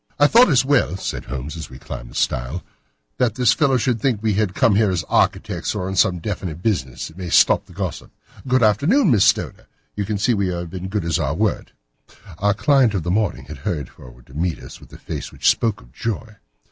"I thought it as well," said Holmes as we climbed the stile, "that this fellow should think we had come here as architects, or on some definite business. It may stop his gossip. Good afternoon, Miss Stoner. You see that we have been as good as our word." Our client of the morning had hurried forward to meet us with a face which spoke her joy.